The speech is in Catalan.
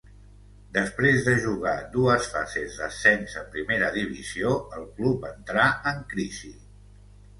Després de jugar dues fases d'ascens a primera divisió el club entrà en crisi.